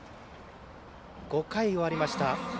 ５回終わりました。